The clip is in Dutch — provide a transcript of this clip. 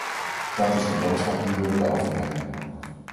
Dat is de boodschap die we willen overbrengen.